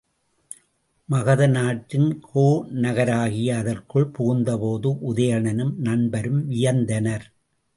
மகத நாட்டின் கோநகராகிய அதற்குள் புகுந்தபோது உதயணனும் நண்பரும் வியந்தனர்.